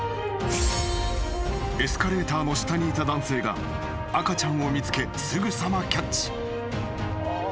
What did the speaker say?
［エスカレーターの下にいた男性が赤ちゃんを見つけすぐさまキャッチ］